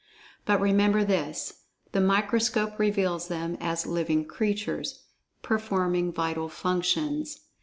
But, remember this—the microscope reveals them as "living creatures" performing vital functions.